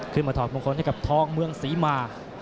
ถอดมงคลให้กับทองเมืองศรีมา